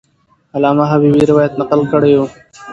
علامه حبیبي روایت نقل کړی وو.